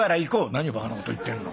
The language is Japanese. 「何をバカなこと言ってんの？」。